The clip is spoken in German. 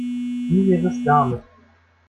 Wie wäre es damit?